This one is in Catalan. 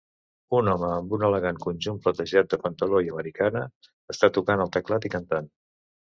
Un home amb un elegant conjunt platejat de pantaló i americana, està tocant el teclat i cantant.